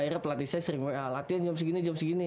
akhirnya pelatih saya sering latihan jam segini jam segini